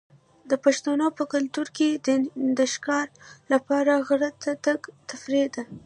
د پښتنو په کلتور کې د ښکار لپاره غره ته تګ تفریح ده.